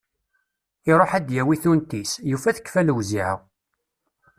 Iruḥ ad d-yawi tunt-is, yufa tekfa lewziεa.